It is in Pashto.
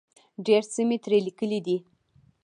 ډېر څه مې ترې لیکلي دي.